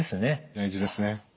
大事ですね。